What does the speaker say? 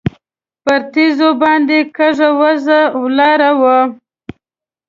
پر تیږو باندې کږه وږه لاره وه.